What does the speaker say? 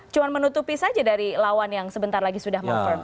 cuma menutupi saja dari lawan yang sebentar lagi sudah menfirm